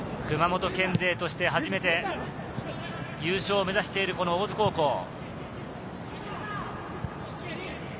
熊本県勢として初めて優勝を目指している大津高校。